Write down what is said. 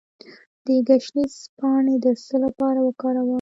د ګشنیز پاڼې د څه لپاره وکاروم؟